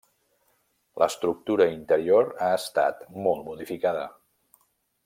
L'estructura interior ha estat molt modificada.